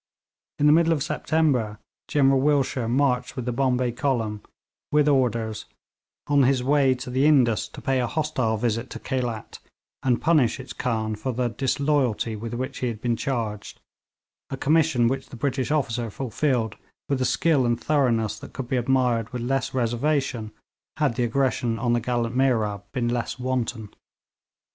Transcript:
In the middle of September General Willshire marched with the Bombay column, with orders, on his way to the Indus to pay a hostile visit to Khelat, and punish its khan for the 'disloyalty' with which he had been charged, a commission which the British officer fulfilled with a skill and thoroughness that could be admired with less reservation had the aggression on the gallant Mehrab been less wanton.